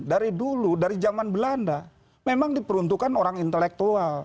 dari dulu dari zaman belanda memang diperuntukkan orang intelektual